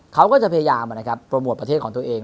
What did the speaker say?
เขาก็จะพยายามโปรโมทประเทศของตัวเอง